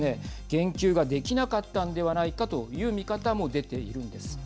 言及ができなかったんではないかという見方も出ているんです。